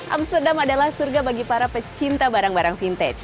amsterdam adalah surga bagi para pecinta barang barang vintage